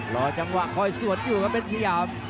รอจังหวะคอยสวนอยู่ครับเพชรสยาม